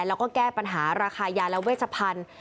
แล้วก็แก้ปัญหาราคายาและเวชพันธุ์